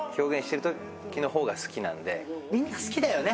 みんな好きだよね。